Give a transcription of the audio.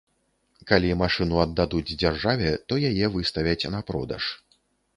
Калі машыну аддадуць дзяржаве, то яе выставяць на продаж.